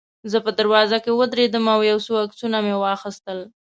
زه په دروازه کې ودرېدم او یو څو عکسونه مې واخیستل.